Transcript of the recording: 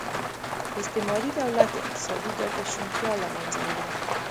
استعماري دولت د اقتصادي ګټې شونتیا له منځه یووړه.